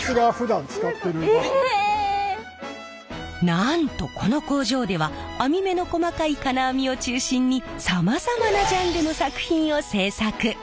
なんとこの工場では網目の細かい金網を中心にさまざまなジャンルの作品を制作！